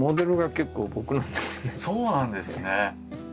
そうなんですね。